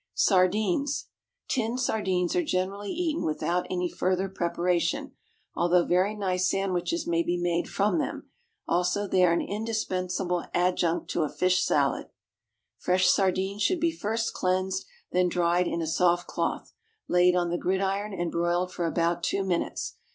=Sardines.= Tinned sardines are generally eaten without any further preparation, although very nice sandwiches may be made from them, also they are an indispensable adjunct to a fish salad. Fresh sardines should be first cleansed, then dried in a soft cloth, laid on the gridiron and broiled for about two minutes.